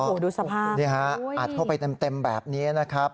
โอ้โหดูสภาพนี่ฮะอัดเข้าไปเต็มแบบนี้นะครับ